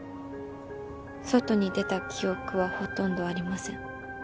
外に出た記憶はほとんどありません。